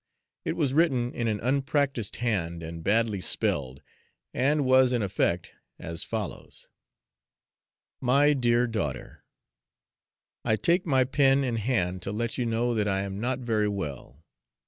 It was written in an unpracticed hand and badly spelled, and was in effect as follows: MY DEAR DAUGHTER, I take my pen in hand to let you know that I am not very well.